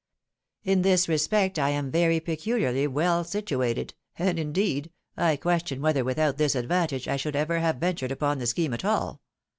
In this respect I am very pecuharly well situated, and, indeed, I question whether without this advantage I should A DIGNIFIED APPODfTMENT. 295 have ever ventured upon the scheme at all.